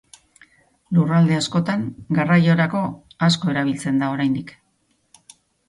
Lurralde askotan garraiorako asko erabiltzen da oraindik.